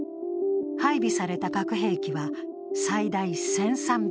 配備された核兵器は最大１３００発。